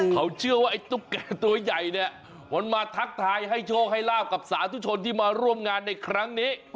เขาเชื่อว่าไอ้ตุ๊กแก่ตัวใหญ่เนี่ยมันมาทักทายให้โชคให้ลาบกับสาธุชนที่มาร่วมงานในครั้งนี้